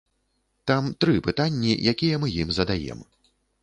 Там тры пытанні, якія мы ім задаем.